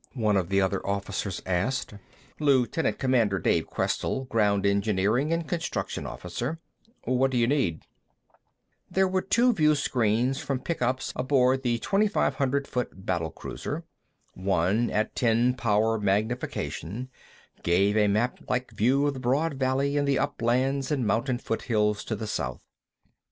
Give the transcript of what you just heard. one of the other officers asked. Lieutenant Commander Dave Questell; ground engineering and construction officer. "What do you need?" There were two viewscreens from pickups aboard the 2500 foot battle cruiser. One, at ten power magnification, gave a maplike view of the broad valley and the uplands and mountain foothills to the south.